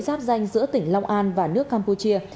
giáp danh giữa tỉnh long an và nước campuchia